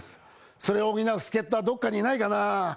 それを補う助っとはどこかにいないかな。